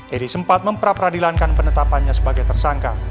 edi sempat memperadilankan penetapannya sebagai tersangka